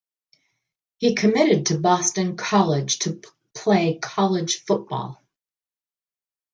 He committed to Boston College to play college football.